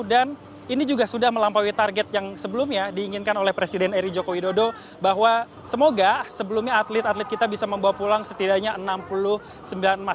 dan ini juga sudah melampaui target yang sebelumnya diinginkan oleh presiden eri joko widodo bahwa semoga sebelumnya atlet atlet kita bisa membawa pulang setidaknya enam puluh sembilan emas